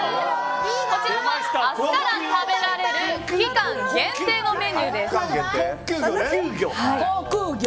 こちらは明日から食べられる期間限定のメニューです。